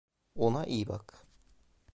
Ona iyi bak.